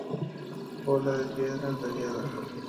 Bola de piedra tallada